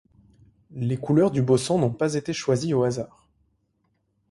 Les couleurs du baussant n'ont pas été choisies au hasard.